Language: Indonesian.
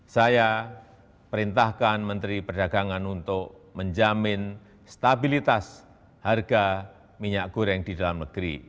saya perintahkan menteri perdagangan untuk menjamin stabilitas harga minyak goreng di dalam negeri